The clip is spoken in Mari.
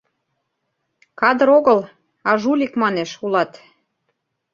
Кадр огыл, а жулик, манеш, улат!